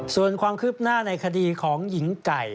ส่วนความคืบหน้าในคดีของหญิงไก่